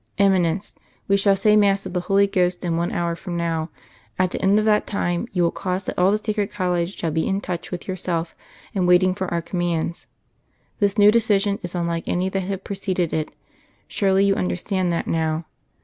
"Eminence. We shall say mass of the Holy Ghost in one hour from now. At the end of that time, you will cause that all the Sacred College shall be in touch with yourself, and waiting for our commands. This new decision is unlike any that have preceded it. Surely you understand that now.